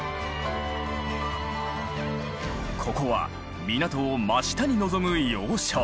ここは港を真下に望む要衝。